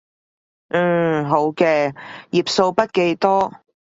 嗯，好嘅，頁數筆記多